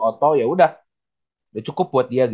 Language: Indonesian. otto yaudah udah cukup buat dia